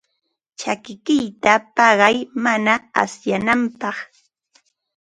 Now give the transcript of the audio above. Chakikiyta paqay mana asyananpaq.